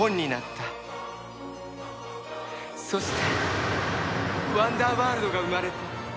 そしてワンダーワールドが生まれた。